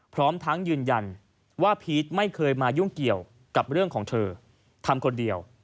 พร้อมทั้งยืนยันว่าพีชไม่เคยมายุ่งเกี่ยวกับเรื่องของเธอทำคนเดียว